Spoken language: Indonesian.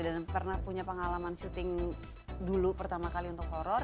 dan pernah punya pengalaman syuting dulu pertama kali untuk horror